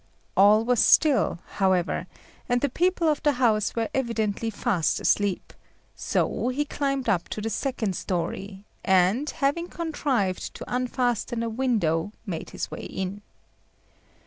All was still, however, and the people of the house were evidently fast asleep; so he climbed up to the second storey, and, having contrived to unfasten a window, made his way in.